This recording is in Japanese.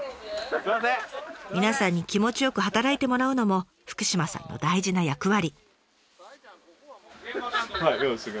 皆さんに気持ちよく働いてもらうのも福島さんの大事な役割。